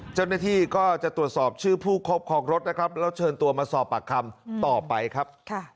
เจ้าหน้าที่ก็จะตรวจสอบชื่อผู้ครอบครองรถนะครับแล้วเชิญตัวมาสอบปากคำต่อไปครับ